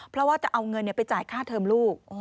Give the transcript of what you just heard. เพราะว่าจะเอาเงินไปจ่ายค่าเทิมลูก